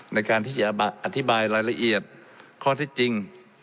ในการที่จะอธิบายรายละเอียดข้อเท็จจริง